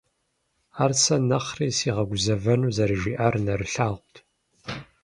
Ар сэ нэхъри сигъэгузэвэну зэрыжиӀар нэрылъагъут.